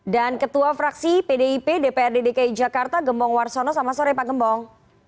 dan ketua fraksi pdip dprd dki jakarta gembong warsono selamat sore pak gembong